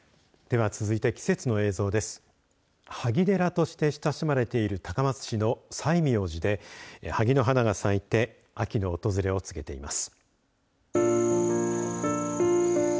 はぎ寺として親しまれている高松市の最明寺で、はぎの花が咲いて秋の訪れを告げています。